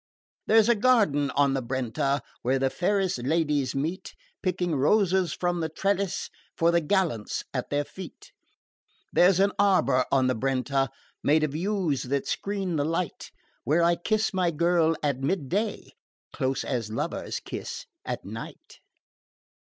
There's a garden on the Brenta Where the fairest ladies meet, Picking roses from the trellis For the gallants at their feet. There's an arbour on the Brenta Made of yews that screen the light, Where I kiss my girl at midday Close as lovers kiss at night.